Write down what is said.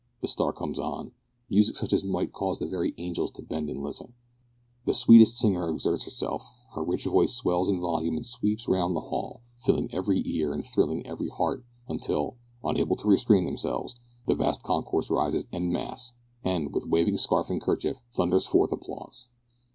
The star comes on music such as might cause the very angels to bend and listen. "The sweet singer exerts herself; her rich voice swells in volume and sweeps round the hall, filling every ear and thrilling every heart, until, unable to restrain themselves, the vast concourse rises en masse, and, with waving scarf and kerchief, thunders forth applause!